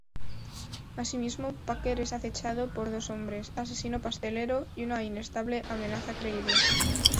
Asimismo, Packer es acechado por dos hombres, "asesino pastelero" y una inestable "amenaza creíble".